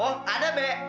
oh ada be